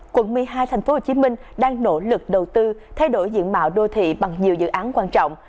quận một mươi hai tp hcm đang nỗ lực đầu tư thay đổi diện mạo đô thị bằng nhiều dự án quan trọng